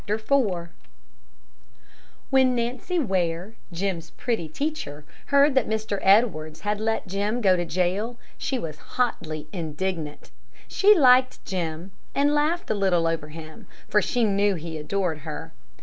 ] IV When Nancy Ware, Jim's pretty teacher, heard that Mr. Edwards had let Jim go to jail, she was hotly indignant. She liked Jim, and laughed a little over him, for she knew he adored her.